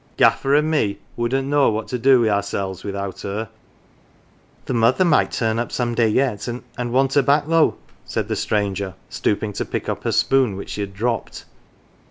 "Gaffer an" 1 me wouldn't know what to do wi' ourselves without her." 11 " The mother might turn up some day yet and want her back though,"" said the stranger, stooping to pick up her spoon which she had dropped.